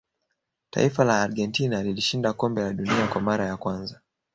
taifa la argentina lilishinda kombe la dunia kwa mara ya kwanza